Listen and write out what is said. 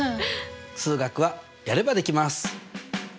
数学はやればできます！